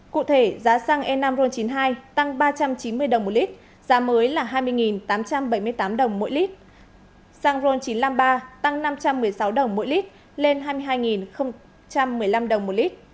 cụ thể giá xăng e năm ron chín mươi hai tăng ba trăm chín mươi đồng một lít giá mới là hai mươi tám trăm bảy mươi tám đồng mỗi lít xăng ron chín trăm năm mươi ba tăng năm trăm một mươi sáu đồng mỗi lít lên hai mươi hai một mươi năm đồng một lít